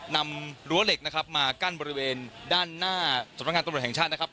รั้วเหล็กนะครับมากั้นบริเวณด้านหน้าสำนักงานตำรวจแห่งชาตินะครับ